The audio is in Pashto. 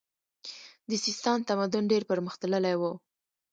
د سیستان تمدن ډیر پرمختللی و